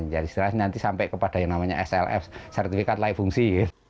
jadi setelah ini sampai kepada yang namanya slf sertifikat layu fungsi